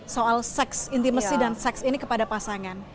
soal seks intimacy dan seks ini kepada pasangan